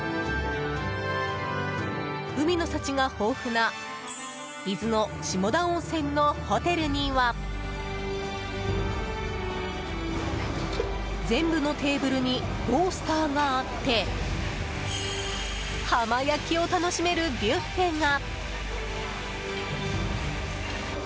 海の幸が豊富な伊豆の下田温泉のホテルには全部のテーブルにロースターがあって浜焼きを楽しめるビュッフェが。